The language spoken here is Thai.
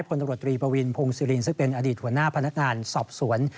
พลตำรวจตรีปวินพงศิรินซึ่งเป็นอดีตหัวหน้าพนักงานสอบสวน